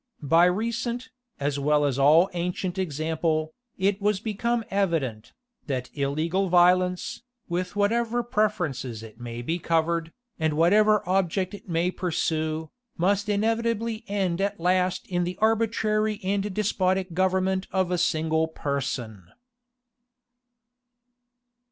By recent, as well as all ancient example, it was become evident, that illegal violence, with whatever preferences it may be covered, and whatever object it may pursue, must inevitably end at last in the arbitrary and despotic government of a single person.